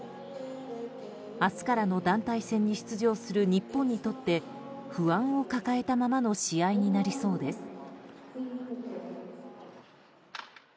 明日からの団体戦に出場する日本にとって不安を抱えたままの試合になりそうです。